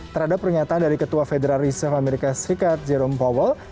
terhadap pernyataan dari ketua federal reserve amerika serikat jerome powell